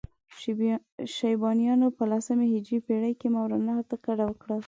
شیبانیانو په لسمې هجري پېړۍ کې ماورالنهر ته کډه وکړه.